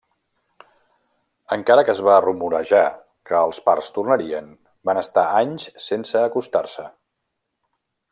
Encara que es va rumorejar que els parts tornarien, van estar anys sense acostar-se.